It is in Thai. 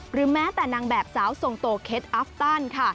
หรือแม้แต่นางแบบสาวทรงโตเคตอัฟตันค่ะ